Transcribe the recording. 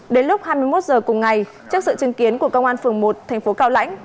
đến lúc hai mươi một h cùng ngày trước sự chứng kiến của công an phường một thành phố cao lãnh